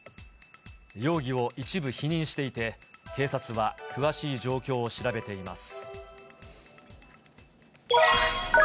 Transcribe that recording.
容疑を一部否認していて、警察は詳しい状況を調べています。